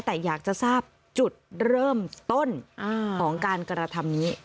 แต่อยากจะทราบจุดเริ่มต้นของการกระทำนี้